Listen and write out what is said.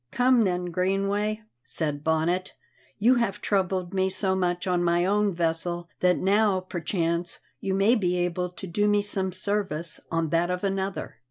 "Come, then, Greenway," said Bonnet; "you have troubled me so much on my own vessel that now, perchance, you may be able to do me some service on that of another.